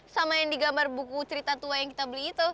sama yang digambar buku cerita tua yang kita beli itu